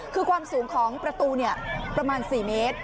คือความสูงของประตูประมาณ๔เมตร